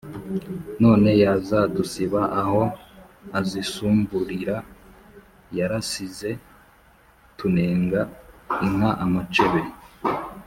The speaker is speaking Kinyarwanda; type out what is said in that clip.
None yazadusiba aho azisumburira Yarasize tunenga inka amacebe ?